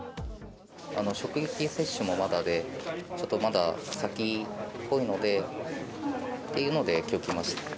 職域接種もまだで、ちょっとまだ先っぽいのでというので、きょう来ました。